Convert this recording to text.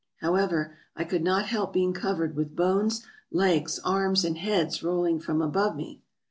However, I could not help being covered with bones, legs, arms and heads rolling from above me.